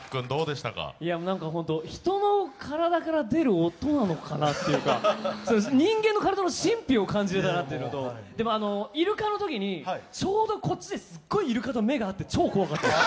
本当、人の体から出る音なのかなって、人間の体の神秘を感じるような、イルカのときにちょうどこっちでイルカと目が合って超怖かったです。